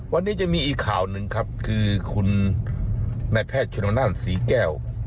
วันนี้จะมีอีกข่าวหนึ่งครับคือคุณนายแพทย์ชนนั่นศรีแก้ว